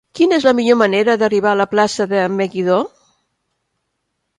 Quina és la millor manera d'arribar a la plaça de Meguidó?